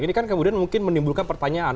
ini kan kemudian mungkin menimbulkan pertanyaan